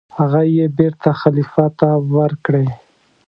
هغه یې بېرته خلیفه ته ورکړې.